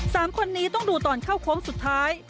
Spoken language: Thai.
สามคนนี้ต้องดูตอนเข้าโค้งสุดท้าย